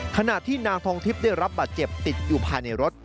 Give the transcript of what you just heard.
ขณะที่นางทองทิพย์ได้รับบาดเจ็บติดอยู่ภายในรถ